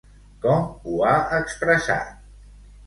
Com ho ha expressat?